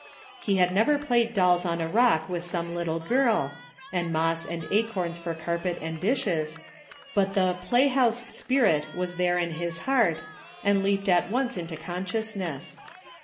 He had never played dolls on THE FINDING OP JASPER HOLT a rock with some little girl, and moss and acorns for carpet and dishes, but the "playhouse spirit was there in his heart and leaped at once into consciousness.